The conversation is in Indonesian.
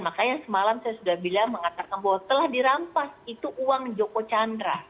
makanya semalam saya sudah bilang mengatakan bahwa telah dirampas itu uang joko chandra